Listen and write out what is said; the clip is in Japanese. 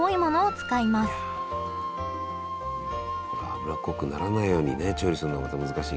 これ脂っこくならないようにね調理するのがまた難しいけど。